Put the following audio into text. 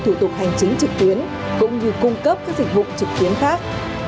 thủ tục hành chính trực tuyến cũng như cung cấp các dịch vụ trực tuyến khác